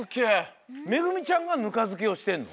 めぐみちゃんがぬかづけをしてんの？